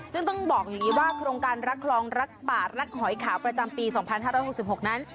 ซึ่งต้องบอกอย่างนี้ว่าโครงการรักคลองรักป่ารักหอยขาวประจำปี๒๕๖๖นั้น